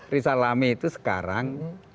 rizal rani itu sekarang